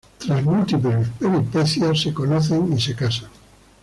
Tras múltiples peripecias, se conocen y se casan.